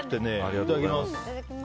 いただきます。